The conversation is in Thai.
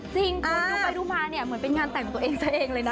จริงคุณดูไปดูมาเนี่ยเหมือนเป็นงานแต่งตัวเองซะเองเลยนะ